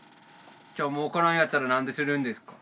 じゃあもうからんやったら何でするんですか？